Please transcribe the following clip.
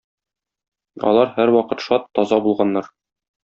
Алар һәрвакыт шат, таза булганнар.